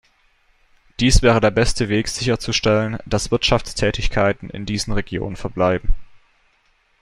Dies wäre der beste Weg sicherzustellen, dass Wirtschaftstätigkeiten in diesen Regionen verbleiben.